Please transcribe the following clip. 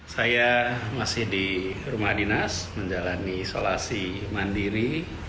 saya masih di rumah dinas menjalani isolasi mandiri